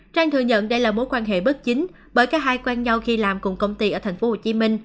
trang thừa nhận đây là mối quan hệ bất chính bởi cả hai quen nhau khi làm cùng công ty ở tp hcm